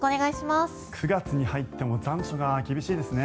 ９月に入っても残暑が厳しいですね。